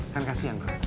kan kasihan bro